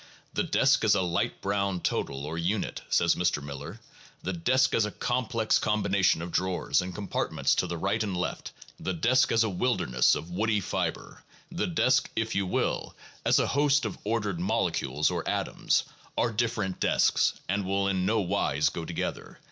"The desk as a light brown total or unit," says Mr. Miller, "the desk as a complex combination of drawers and compartments to the right and left, the desk as a wilderness of woody fiber, the desk, if you will, as a host of ordered molecules or atoms, are different desks, and will in no wise go together